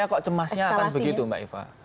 kok cemasnya akan begitu mbak eva